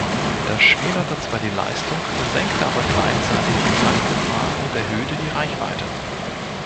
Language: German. Das schmälerte zwar die Leistung, senkte aber gleichzeitig die Brandgefahr und erhöhte die Reichweite.